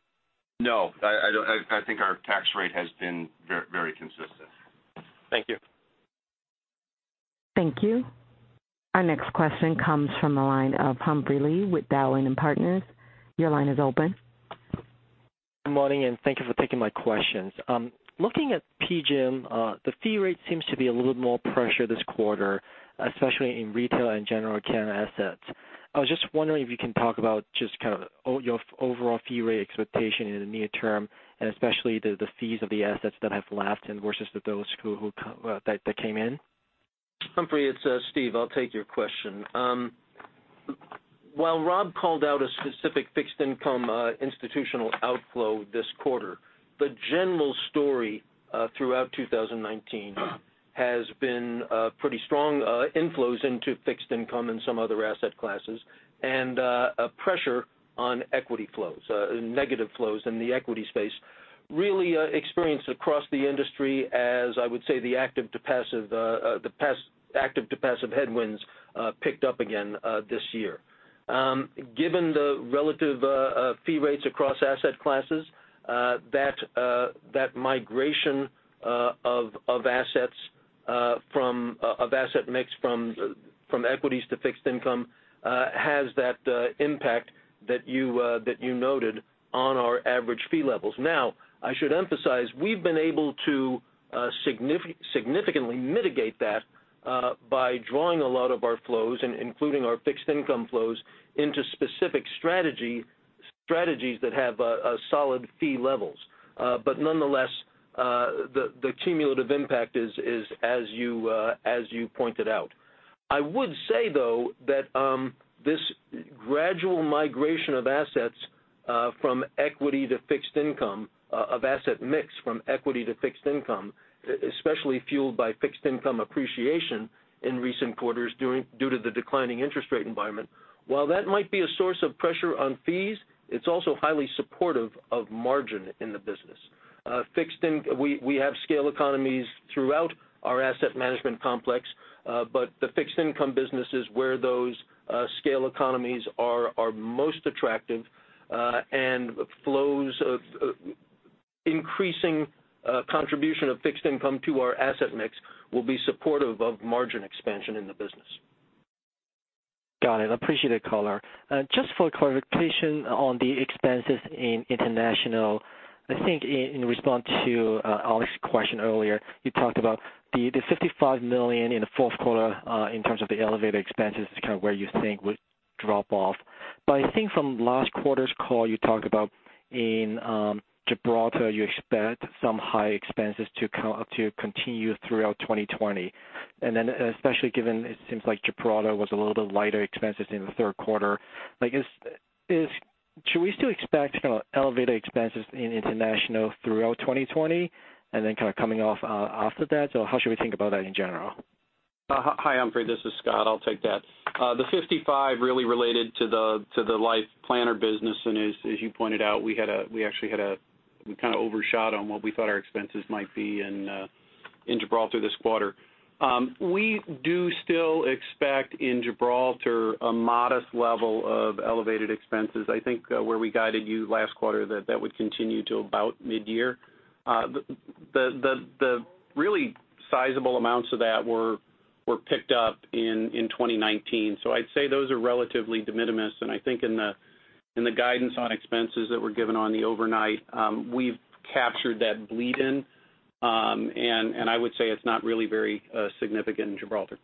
No. I think our tax rate has been very consistent. Thank you. Thank you. Our next question comes from the line of Humphrey Lee with Dowling & Partners. Your line is open. Good morning. Thank you for taking my questions. Looking at PGIM, the fee rate seems to be a little bit more pressure this quarter, especially in retail and general account assets. I was just wondering if you can talk about just your overall fee rate expectation in the near term, and especially the fees of the assets that have left versus those that came in. Humphrey, it's Steve. I'll take your question. While Rob called out a specific fixed income institutional outflow this quarter, the general story throughout 2019 has been pretty strong inflows into fixed income and some other asset classes, and a pressure on equity flows, negative flows in the equity space, really experienced across the industry as I would say the active to passive headwinds picked up again this year. Given the relative fee rates across asset classes, that migration of asset mix from equities to fixed income has that impact that you noted on our average fee levels. Now, I should emphasize, we've been able to significantly mitigate that by drawing a lot of our flows, including our fixed income flows, into specific strategies that have solid fee levels. Nonetheless, the cumulative impact is as you pointed out. I would say, though, that this gradual migration of assets from equity to fixed income, of asset mix from equity to fixed income, especially fueled by fixed income appreciation in recent quarters due to the declining interest rate environment. While that might be a source of pressure on fees, it's also highly supportive of margin in the business. We have scale economies throughout our asset management complex, but the fixed income business is where those scale economies are most attractive, and flows of increasing contribution of fixed income to our asset mix will be supportive of margin expansion in the business. Got it. Appreciate the color. Just for clarification on the expenses in international, I think in response to Alex's question earlier, you talked about the $55 million in the fourth quarter in terms of the elevated expenses is kind of where you think would drop off. I think from last quarter's call, you talked about in Gibraltar, you expect some high expenses to continue throughout 2020. Especially given it seems like Gibraltar was a little bit lighter expenses in the third quarter. Should we still expect kind of elevated expenses in international throughout 2020 and then kind of coming off after that? How should we think about that in general? Hi, Humphrey. This is Scott. I'll take that. The 55 really related to the Life Planner business, as you pointed out, we kind of overshot on what we thought our expenses might be in Gibraltar this quarter. We do still expect in Gibraltar a modest level of elevated expenses. I think where we guided you last quarter that that would continue till about mid-year. The really sizable amounts of that were picked up in 2019. I'd say those are relatively de minimis, I think in the guidance on expenses that were given on the overnight, we've captured that bleed in. I would say it's not really very significant in Gibraltar.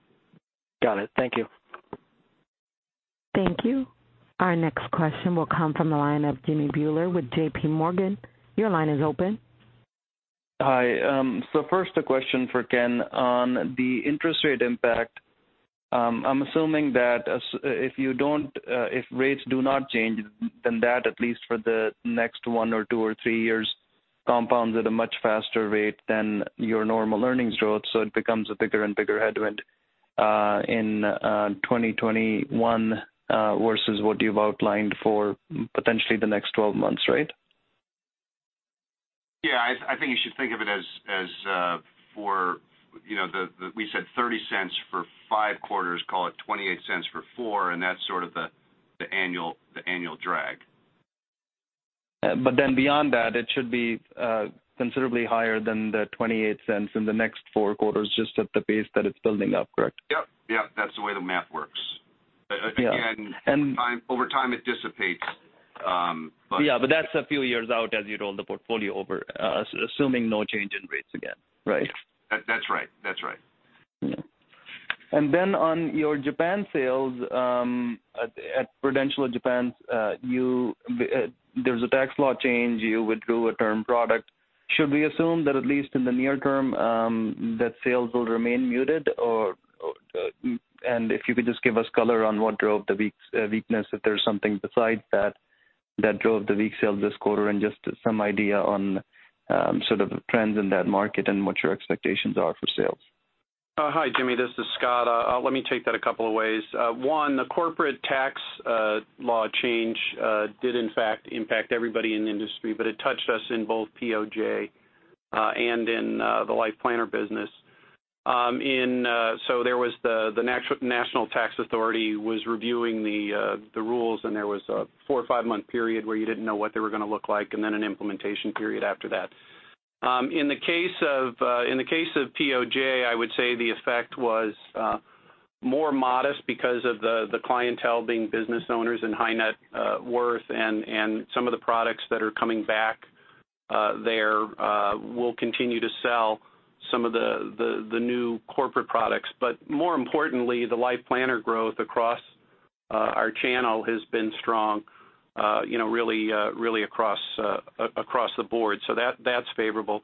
Got it. Thank you. Thank you. Our next question will come from the line of Jimmy Bhullar with J.P. Morgan. Your line is open. Hi. First, a question for Ken on the interest rate impact. I'm assuming that if rates do not change, that at least for the next one or two or three years, compounds at a much faster rate than your normal earnings growth, so it becomes a bigger and bigger headwind in 2021, versus what you've outlined for potentially the next 12 months, right? Yeah. I think you should think of it as for, we said $0.30 for five quarters, call it $0.28 for four, that's sort of the annual drag. Beyond that, it should be considerably higher than the $0.28 in the next four quarters just at the pace that it's building up, correct? Yep. That's the way the math works. Yeah. Over time it dissipates. That's a few years out as you roll the portfolio over, assuming no change in rates again, right? That's right. On your Japan sales, at Prudential of Japan, there's a tax law change, you withdrew a term product. Should we assume that at least in the near term, that sales will remain muted? If you could just give us color on what drove the weakness, if there's something besides that drove the weak sales this quarter and just some idea on sort of trends in that market and what your expectations are for sales. Oh, hi, Jimmy, this is Scott. Let me take that a couple of ways. One, the corporate tax law change did in fact impact everybody in the industry, but it touched us in both POJ and in the Life Planner business. The National Tax Agency was reviewing the rules, and there was a four- or five-month period where you didn't know what they were going to look like, and then an implementation period after that. In the case of POJ, I would say the effect was more modest because of the clientele being business owners and high net worth and some of the products that are coming back there. We'll continue to sell some of the new corporate products, but more importantly, the Life Planner growth across our channel has been strong really across the board. That's favorable.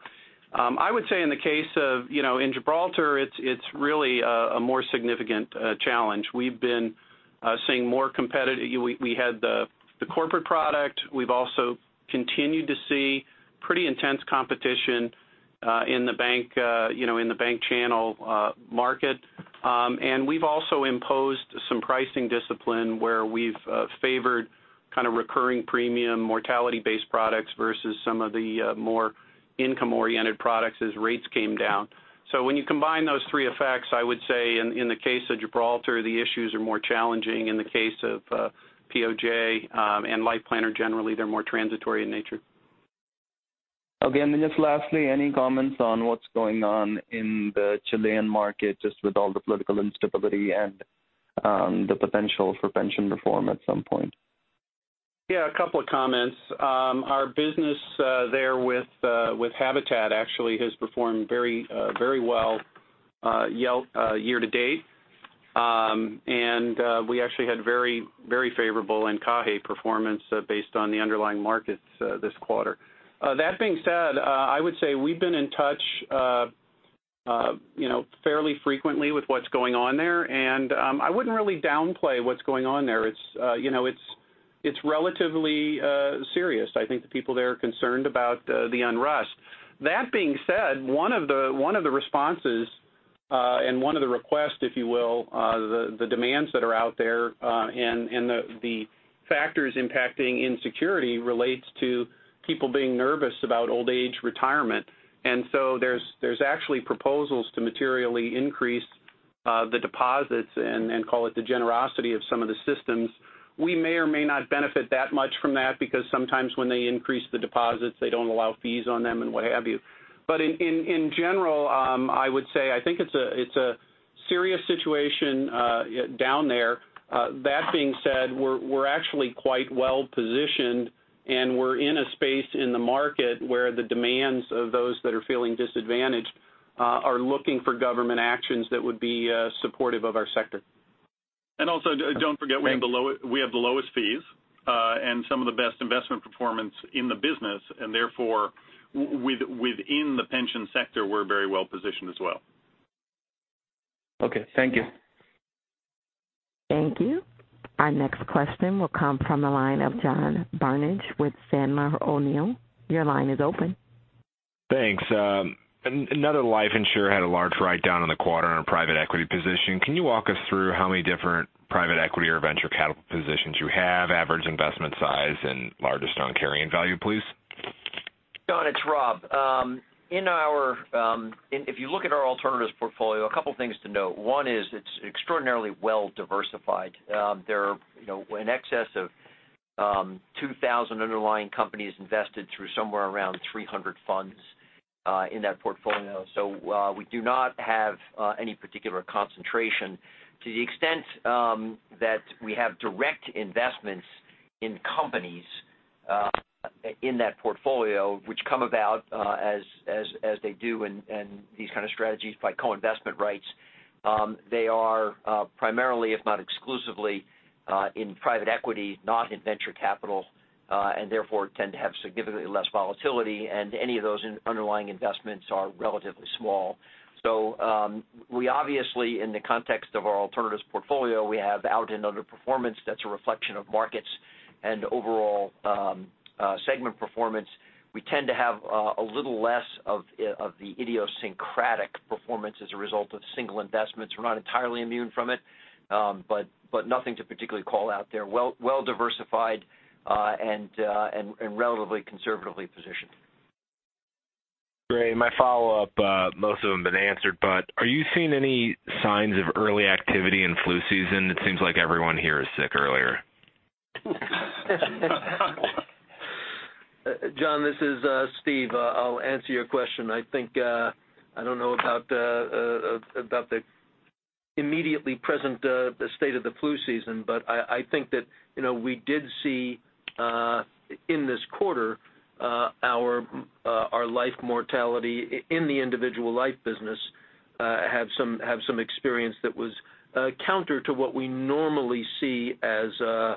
I would say in Gibraltar, it's really a more significant challenge. We've been seeing more competitive We had the corporate product. We've also continued to see pretty intense competition in the bank channel market. We've also imposed some pricing discipline where we've favored kind of recurring premium mortality-based products versus some of the more income-oriented products as rates came down. When you combine those three effects, I would say in the case of Gibraltar, the issues are more challenging. In the case of POJ and Life Planner, generally, they're more transitory in nature. Okay. Just lastly, any comments on what's going on in the Chilean market just with all the political instability and the potential for pension reform at some point? Yeah, a couple of comments. Our business there with Gibraltar actually has performed very well year-to-date. We actually had very favorable NII performance based on the underlying markets this quarter. That being said, I would say we've been in touch fairly frequently with what's going on there, and I wouldn't really downplay what's going on there. It's relatively serious. I think the people there are concerned about the unrest. That being said, one of the responses, and one of the requests, if you will, the demands that are out there, and the factors impacting insecurity relates to people being nervous about old age retirement. There's actually proposals to materially increase the deposits and call it the generosity of some of the systems. We may or may not benefit that much from that because sometimes when they increase the deposits, they don't allow fees on them and what have you. In general, I would say, I think it's a serious situation down there. That being said, we're actually quite well-positioned, and we're in a space in the market where the demands of those that are feeling disadvantaged are looking for government actions that would be supportive of our sector. Also, don't forget we have the lowest fees, and some of the best investment performance in the business, therefore, within the pension sector, we're very well-positioned as well. Thank you. Thank you. Our next question will come from the line of John Barnidge with Sandler O'Neill. Your line is open. Thanks. Another life insurer had a large write-down in the quarter on a private equity position. Can you walk us through how many different private equity or venture capital positions you have, average investment size, and largest on carrying value, please? John, it's Rob. If you look at our alternatives portfolio, a couple things to note. One is extraordinarily well-diversified. There are in excess of 2,000 underlying companies invested through somewhere around 300 funds in that portfolio. We do not have any particular concentration. To the extent that we have direct investments in companies in that portfolio, which come about as they do in these kind of strategies by co-investment rights, they are primarily, if not exclusively, in private equity, not in venture capital, and therefore tend to have significantly less volatility, and any of those underlying investments are relatively small. We obviously, in the context of our alternatives portfolio, we have out and under performance that's a reflection of markets and overall segment performance. We tend to have a little less of the idiosyncratic performance as a result of single investments. We're not entirely immune from it, but nothing to particularly call out there. Well diversified and relatively conservatively positioned. Great. My follow-up, most of them have been answered, but are you seeing any signs of early activity in flu season? It seems like everyone here is sick earlier. John, this is Steve. I'll answer your question. I don't know about the immediately present state of the flu season, but I think that we did see in this quarter our life mortality in the individual life business have some experience that was counter to what we normally see as the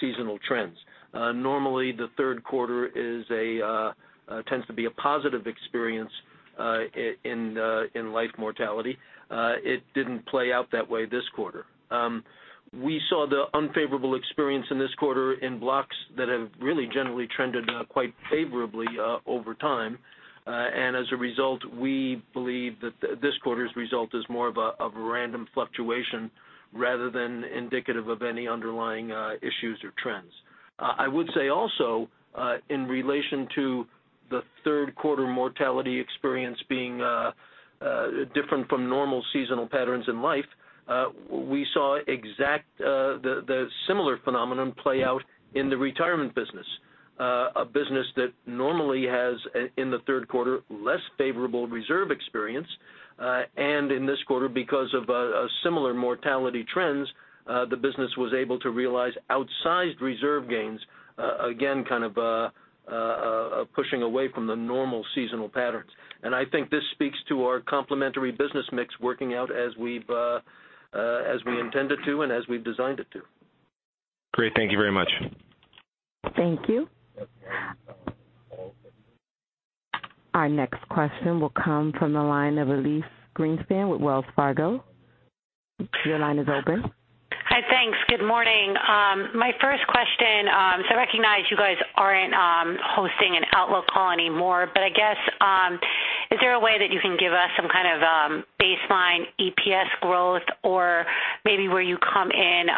seasonal trends. Normally, the third quarter tends to be a positive experience in life mortality. It didn't play out that way this quarter. We saw the unfavorable experience in this quarter in blocks that have really generally trended quite favorably over time. As a result, we believe that this quarter's result is more of a random fluctuation rather than indicative of any underlying issues or trends. Also in relation to the third quarter mortality experience being different from normal seasonal patterns in life, we saw the similar phenomenon play out in the retirement business. A business that normally has, in the third quarter, less favorable reserve experience, in this quarter, because of similar mortality trends, the business was able to realize outsized reserve gains, again, kind of pushing away from the normal seasonal patterns. I think this speaks to our complementary business mix working out as we intend it to and as we've designed it to. Great. Thank you very much. Thank you. Our next question will come from the line of Elyse Greenspan with Wells Fargo. Your line is open. Hi, thanks. Good morning. My first question, I recognize you guys aren't hosting an outlook call anymore, I guess, is there a way that you can give us some kind of baseline EPS growth or maybe where you come in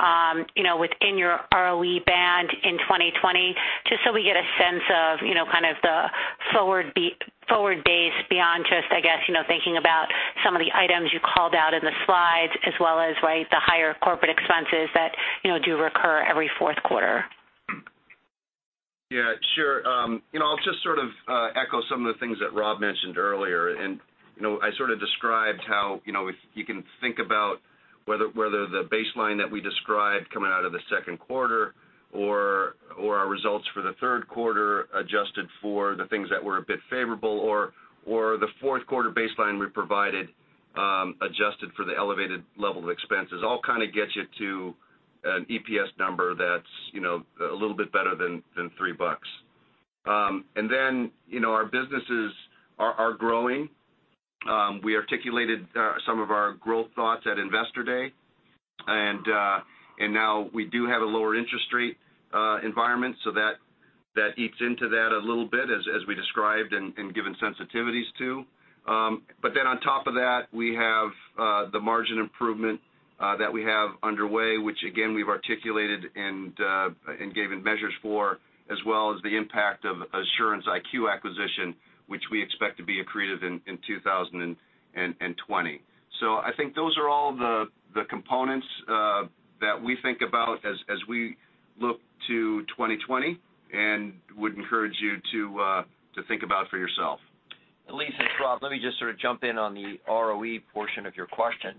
within your ROE band in 2020, just so we get a sense of kind of the forward base beyond just, I guess, thinking about some of the items you called out in the slides as well as, right, the higher corporate expenses that do recur every fourth quarter? Yeah, sure. I'll just sort of echo some of the things that Rob mentioned earlier. I sort of described how if you can think about whether the baseline that we described coming out of the second quarter or our results for the third quarter adjusted for the things that were a bit favorable or the fourth quarter baseline we provided adjusted for the elevated level of expenses, all kind of gets you to an EPS number that's a little bit better than $3. Our businesses are growing. We articulated some of our growth thoughts at Investor Day, now we do have a lower interest rate environment, that eats into that a little bit as we described and given sensitivities to. On top of that, we have the margin improvement that we have underway, which again, we've articulated and given measures for, as well as the impact of Assurance IQ acquisition, which we expect to be accretive in 2020. I think those are all the components that we think about as we look to 2020 and would encourage you to think about for yourself. Elyse, it's Rob. Let me just sort of jump in on the ROE portion of your question.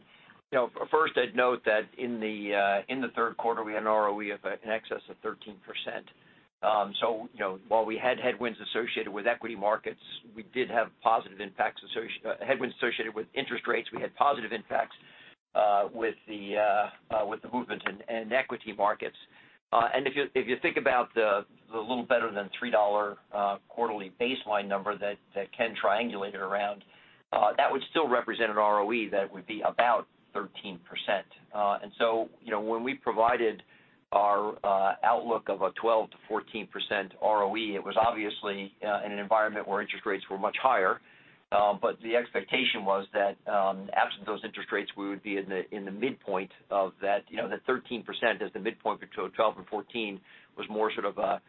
First, I'd note that in the third quarter, we had an ROE of an excess of 13%. While we had headwinds associated with equity markets, we did have positive impacts, headwinds associated with interest rates. We had positive impacts with the movement in equity markets. If you think about the little better than $3 quarterly baseline number that Ken triangulated around, that would still represent an ROE that would be about 13%. When we provided our outlook of a 12%-14% ROE, it was obviously in an environment where interest rates were much higher. The expectation was that absent those interest rates, we would be in the midpoint of that 13% as the midpoint between 12 and 14 was more sort of a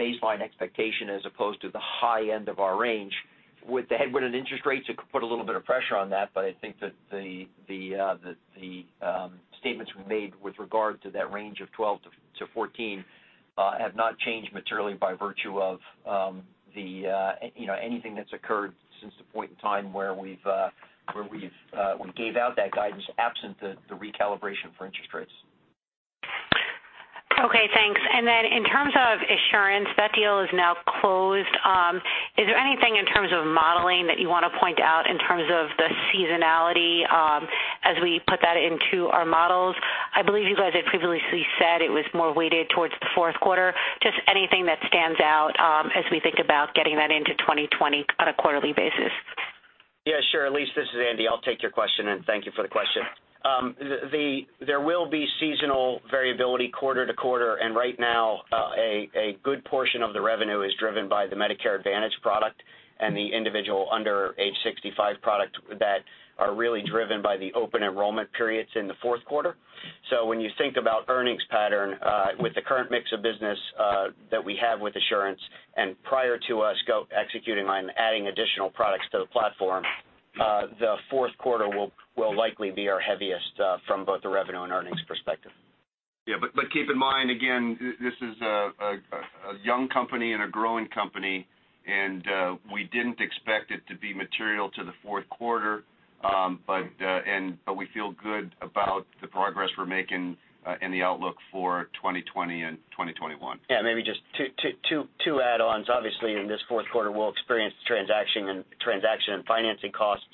baseline expectation as opposed to the high end of our range. With the headwind in interest rates, it could put a little bit of pressure on that, but I think that the statements we made with regard to that range of 12%-14% have not changed materially by virtue of anything that's occurred since the point in time where we gave out that guidance absent the recalibration for interest rates. Okay, thanks. In terms of Assurance, that deal is now closed. Is there anything in terms of modeling that you want to point out in terms of the seasonality as we put that into our models? I believe you guys had previously said it was more weighted towards the fourth quarter. Just anything that stands out as we think about getting that into 2020 on a quarterly basis. Yeah, sure. Elyse, this is Andy. I'll take your question, and thank you for the question. There will be seasonal variability quarter to quarter, and right now, a good portion of the revenue is driven by the Medicare Advantage product and the individual under age 65 product that are really driven by the open enrollment periods in the fourth quarter. When you think about earnings pattern with the current mix of business that we have with Assurance and prior to us go executing on adding additional products to the platform, the fourth quarter will likely be our heaviest from both the revenue and earnings perspective. Yeah. Keep in mind, again, this is a young company and a growing company, and we didn't expect it to be material to the fourth quarter, but we feel good about the progress we're making and the outlook for 2020 and 2021. Maybe just two add-ons. Obviously, in this fourth quarter, we'll experience transaction and financing costs.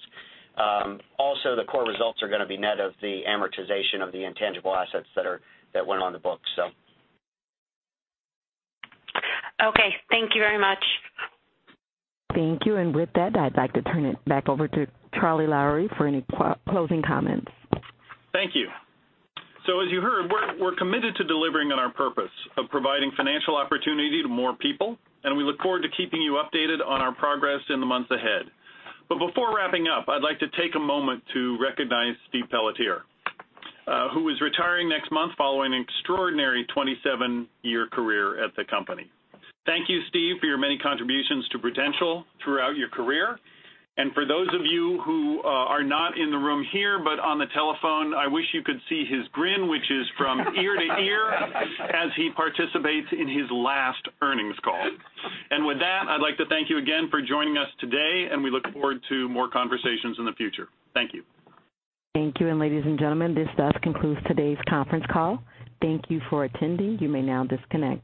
Also, the core results are going to be net of the amortization of the intangible assets that went on the books. Okay. Thank you very much. Thank you. With that, I'd like to turn it back over to Charlie Lowrey for any closing comments. Thank you. As you heard, we're committed to delivering on our purpose of providing financial opportunity to more people, and we look forward to keeping you updated on our progress in the months ahead. Before wrapping up, I'd like to take a moment to recognize Steve Pelletier who is retiring next month following an extraordinary 27-year career at the company. Thank you, Steve, for your many contributions to Prudential throughout your career. For those of you who are not in the room here but on the telephone, I wish you could see his grin which is from ear to ear as he participates in his last earnings call. With that, I'd like to thank you again for joining us today, and we look forward to more conversations in the future. Thank you. Thank you. Ladies and gentlemen, this does conclude today's conference call. Thank you for attending. You may now disconnect.